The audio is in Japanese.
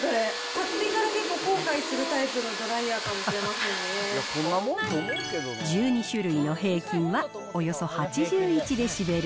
買ってから結構後悔するタイプの１２種類の平均はおよそ８１デシベル。